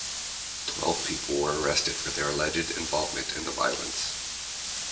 Twelve people were arrested for their alleged involvement in the violence.